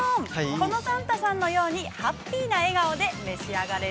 このサンタさんのように、ハッピーな笑顔で召し上がれ！